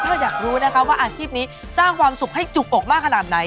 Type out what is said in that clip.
ถ้าอยากรู้นะคะว่าอาชีพนี้สร้างความสุขให้จุกอกมากขนาดไหน